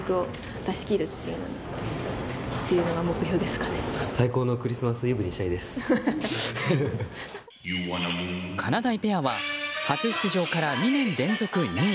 かなだいペアは初出場から２年連続２位。